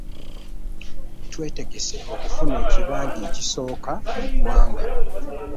Twetegese okufuna ekibinja ekisooka mu ggwanga